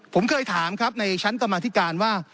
ผมเคยถามครับในชั้นกรรมธิการว่า